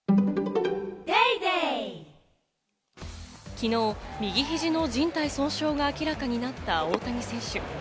きのう右肘のじん帯損傷が明らかになった大谷選手。